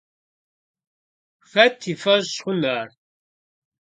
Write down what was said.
Хэт и фӏэщ хъун ар?